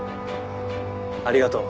ありがとう。